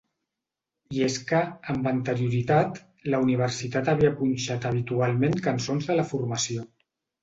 I és que, amb anterioritat, la universitat havia punxat habitualment cançons de la formació.